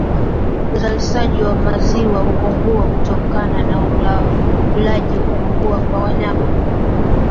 Uzalishaji wa maziwa hupungua kutokana na ulaji kupungua kwa wanyama